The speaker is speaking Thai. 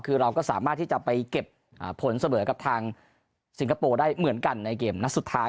คือเราก็สามารถที่จะไปเก็บผลเสมอกับทางสิงคโปร์ได้เหมือนกันในเกมนัดสุดท้าย